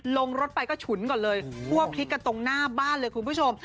ลงรถไปก็ฉุนก่อนเลยคั่วพลิกกันตรงหน้าบ้านเลยคุณผู้ชม